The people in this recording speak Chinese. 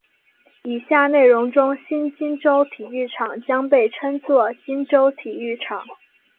以下内容中新金州体育场将被称作金州体育场。